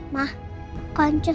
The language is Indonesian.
mah kok njus